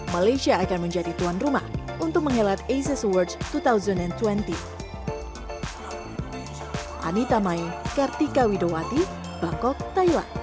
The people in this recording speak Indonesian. malaysia akan menjadi tuan rumah untuk menghelat asia awards dua ribu dua puluh